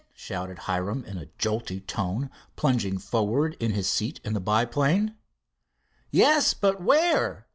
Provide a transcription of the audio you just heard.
shouted Hiram in a jolty tone, plunging forward in his seat in the biplane. "Yes, but where?"